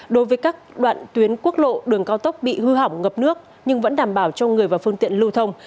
đối với các đoạn tuyến quốc lộ đường cao tốc bị hư hỏng ngập nước nhưng vẫn đảm bảo cho người và phương tiện lưu thông